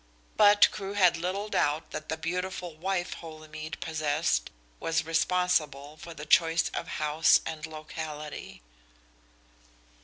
But Crewe had little doubt that the beautiful wife Holymead possessed was responsible for the choice of house and locality.